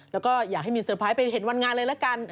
แล้วก็อยากให้มีเตอร์ไพรส์ไปเห็นวันงานเลยละกัน